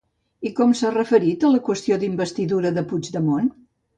I com s'ha referit a la qüestió d'investidura de Puigdemont?